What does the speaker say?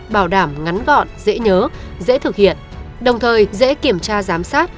bảo đảm ngắn gọn dễ nhớ dễ thực hiện đồng thời dễ kiểm tra giám sát